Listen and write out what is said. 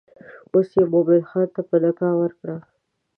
اوس یې مومن خان ته په نکاح ورکړه.